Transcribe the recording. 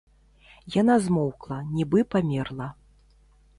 Яна змоўкла, нібы памерла.